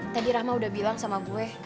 tadi rahma udah bilang sama gue